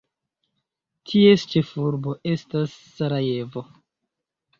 Ties ĉefurbo estas Sarajevo.